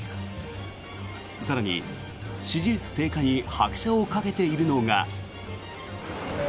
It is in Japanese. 更に、支持率低下に拍車をかけているのが。